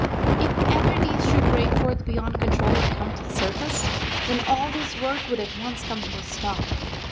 If ever these should break forth beyond control and come to the surface, then all this work would at once come to a stop.